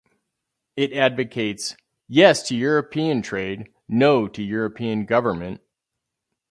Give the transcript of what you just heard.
It advocates, "Yes to European trade, no to European government".